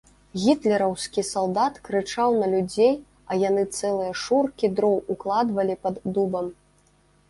Гітлераўскі салдат крычаў на людзей, а яны цэлыя шуркі дроў укладвалі пад дубам.